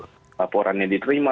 laporannya diterima laporannya diterima